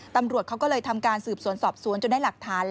ตำรวจเขาก็เลยทำการสืบสวนสอบสวนจนได้หลักฐาน